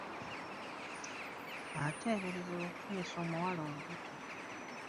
Ateeberezebwa okufunisa omuwala olubuto.